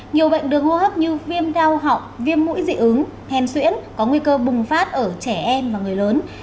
nhiều bệnh đường hô hấp như viêm đau họng viêm mũi dị ứng hèn xuyễn có nguy cơ bùng phát ở trẻ em và người lớn